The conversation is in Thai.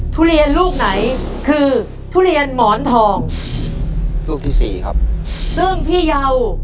ทุเรียนลูกไหนคือทุเรียนหมอนทองลูกที่สี่ครับซึ่งพี่เยา